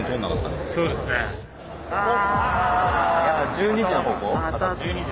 １２時の方向？